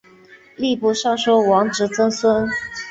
吏部尚书王直曾孙。